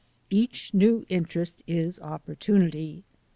Each new interest is opportunity.